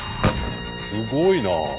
すごいな。